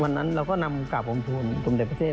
วันนั้นเราก็นำกลับอมทุนกลุ่มเด็ดประเทศ